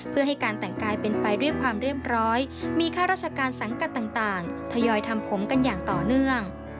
เพื่อให้การแต่งกายเป็นไปด้วยความเรียบร้อยมีข้าราชการสังกัดต่างทยอยทำผมกันอย่างต่อเนื่อง